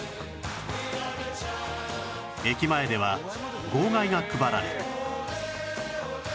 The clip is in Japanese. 駅前では号外が配られ